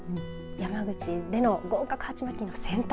山口での合格はちまきの洗濯。